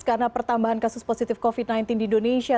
karena pertambahan kasus positif covid sembilan belas di indonesia